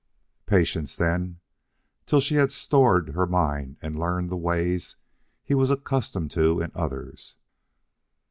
Patience then, till she had stored her mind and learned the ways he was accustomed to in others.